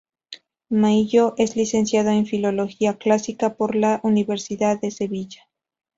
Maíllo es licenciado en Filología Clásica por la Universidad de Sevilla.